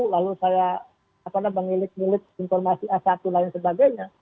lalu saya mengilik ngilik informasi a satu lain sebagainya